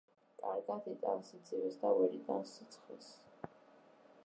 კარგად იტანს სიცივეს და ვერ იტანს სიცხეს.